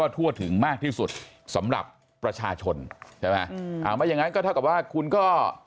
ถึงมากที่สุดสำหรับประชาชนใช่ไหมอ่ามั้ยยังไงก็ถ้าก็ว่าคุณก็